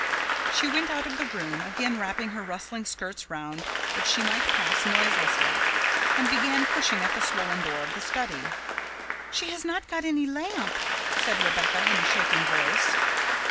She went out of the room, again wrapping her rustling skirts round that she might pass noiselessly, and began pushing at the swollen door of the study. "She has not got any lamp," said Rebecca in a shaking voice.